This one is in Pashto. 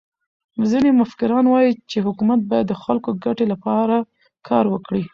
ځيني مفکران وايي، چي حکومت باید د خلکو د ګټي له پاره کار وکړي.